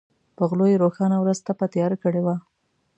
په غلو یې روښانه ورځ تپه تیاره کړې وه.